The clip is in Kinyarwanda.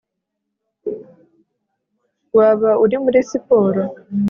waba uri muri siporo